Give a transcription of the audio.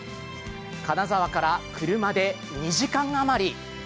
金沢から車で２時間余り。